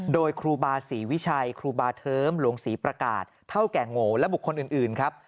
โดยครูบาศรีวิชัยครูบาเทิมหลวงศรีประกาศเท่าแก่โง่และบุคคลอื่นครับ